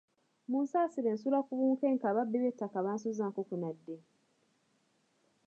Munsasire nsula ku bunkenke ababbi b'ettaka bansuza nkukunadde.